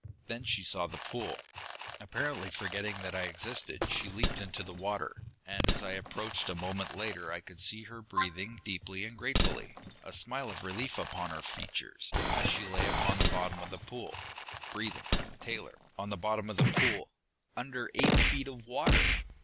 Then she saw the pool. "Apparently forgetting that I existed, she leaped into the water, and as I approached a moment later I could see her breathing deeply and gratefully, a smile of relief upon her features, as she lay upon the bottom of the pool. Breathing, Taylor, on the bottom of the pool! Under eight feet of water!"